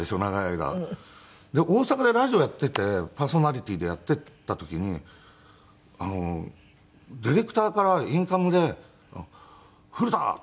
大阪でラジオやっていてパーソナリティーでやっていた時にディレクターからインカムで「古田！」とかって。